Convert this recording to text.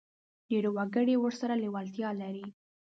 ډېر وګړي ورسره لېوالتیا لري.